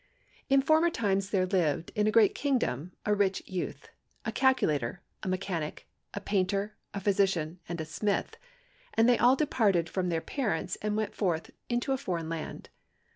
"In former times there lived, in a great kingdom, a rich youth, a calculator, a mechanic, a painter, a physician, and a smith, and they all departed from their parents and went forth into a foreign land.